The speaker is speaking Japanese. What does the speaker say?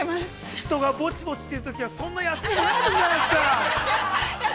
◆人がぼちぼちというときには、そんなに休めてないときじゃないですか。